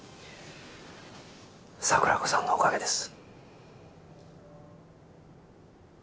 桜子さんのおかげです。